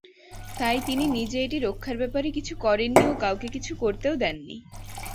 তাই তিনি নিজে এটি রক্ষার ব্যাপারে কিছু করেন নি ও কাউকে কিছু করতেও দেন নি।